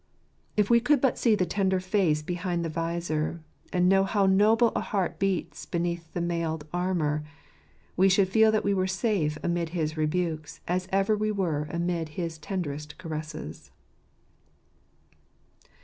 If we could but see the tender face behind the vizor, and know how noble a heart beats beneath the mailed armour, we should feel that we were as safe amid his rebukes as ever we were amid his tenderest caresses.